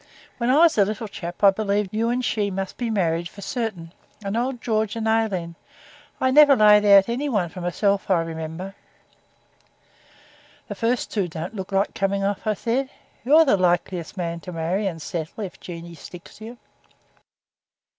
When I was a little chap I believed you and she must be married for certain. And old George and Aileen. I never laid out any one for myself, I remember.' 'The first two don't look like coming off,' I said. 'You're the likeliest man to marry and settle if Jeanie sticks to you.'